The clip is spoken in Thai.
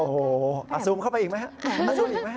น้ำตาซุมเข้าไปอีกไหม